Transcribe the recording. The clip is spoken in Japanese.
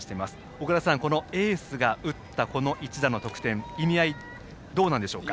小倉さん、エースが打った一打の得点意味合い、どうなんでしょうか。